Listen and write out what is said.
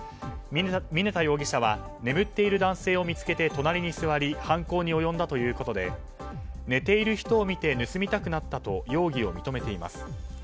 峯田容疑者は眠っている男性を見つけて隣に座り犯行に及んだということで寝ている人を見て盗みたくなったと容疑を認めています。